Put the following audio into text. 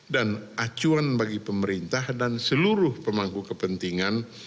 dan acuan bagi pemerintah dan seluruh pemangku kepentingan